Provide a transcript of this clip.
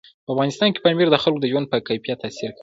په افغانستان کې پامیر د خلکو د ژوند په کیفیت تاثیر کوي.